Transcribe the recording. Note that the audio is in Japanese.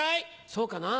そうかなぁ。